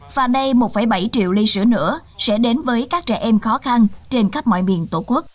và đây một bảy triệu ly sữa nữa sẽ đến với các trẻ em khó khăn trên khắp mọi miền tổ quốc